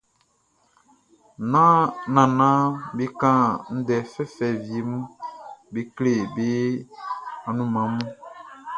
Nannanʼm be kan ndɛ fɛfɛ wie mun be kle be anunman mun.